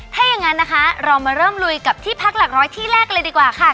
ถ้าอย่างนั้นนะคะเรามาเริ่มลุยกับที่พักหลักร้อยที่แรกเลยดีกว่าค่ะ